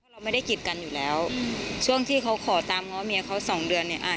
เราไม่ได้กิดกันอยู่แล้วช่วงที่เขาขอตามง้อเมียเขาสองเดือนเนี่ยอ่า